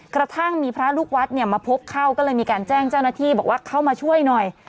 กระทั่งมีพระลูกวัดเนี่ยมาพบเข้าก็เลยมีการแจ้งเจ้าหน้าที่บอกว่าเข้ามาช่วยหน่อย